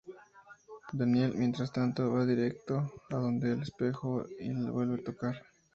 Daniel, mientras tanto, va directo a donde el espejo y lo vuelve a tocar.